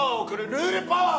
ルールパワー！